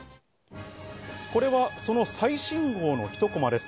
これはその最新号のひとコマです。